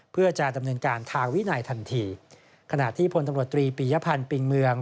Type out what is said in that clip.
เพื่อจะดำเนินการทางวินัยทันทีขณะที่พลตำรวจตรีปียพันธ์ปิงเมือง